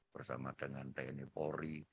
bersama dengan tni polri